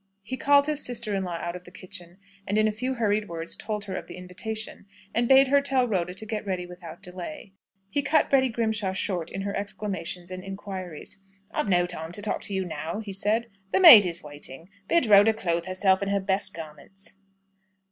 He called his sister in law out of the kitchen, and in a few hurried words told her of the invitation, and bade her tell Rhoda to get ready without delay. He cut Betty Grimshaw short in her exclamations and inquiries. "I've no time to talk to you now," he said. "The maid is waiting. Bid Rhoda clothe herself in her best garments."